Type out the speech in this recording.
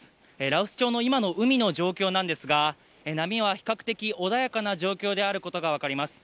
羅臼町の今の海の状況なんですが、波は比較的穏やかな状況であることが分かります。